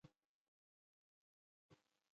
او په خپل اقتصاد سره.